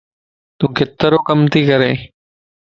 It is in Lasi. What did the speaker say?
تون ڪيترو ڪم تي ڪرين؟